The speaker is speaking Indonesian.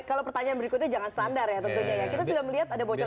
kalau pertanyaan berikutnya jangan standar ya tentunya ya kita sudah melihat ada bocoran